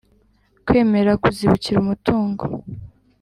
Kwemera kuzibukira umutungo